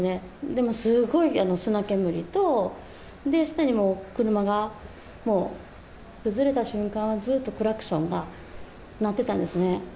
でもすごい砂煙と、下にもう、車がもう、崩れた瞬間、ずっとクラクションが鳴ってたんですね。